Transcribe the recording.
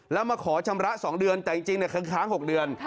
แล้วมาขอชำระ๒เดือนแต่จริงเนี่ยคำถาม๖เดือน